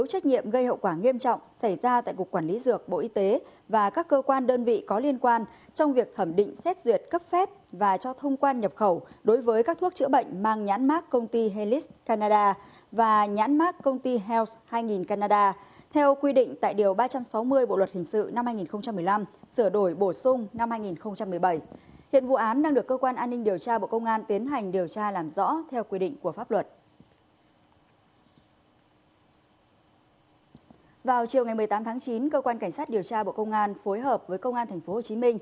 chiều ngày một mươi tám tháng chín cơ quan cảnh sát điều tra bộ công an phối hợp với công an tp hcm